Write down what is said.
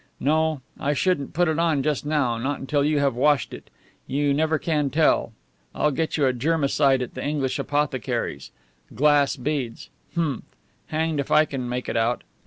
No; I shouldn't put it on just now, not until you have washed it. You never can tell. I'll get you a germicide at the English apothecary's. Glass beads! Humph! Hanged if I can make it out.